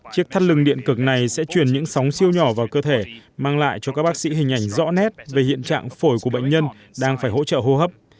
chiếc thắt lưng điện cực này sẽ chuyển những sóng siêu nhỏ vào cơ thể mang lại cho các bác sĩ hình ảnh rõ nét về hiện trạng phổi của bệnh nhân đang phải hỗ trợ hô hấp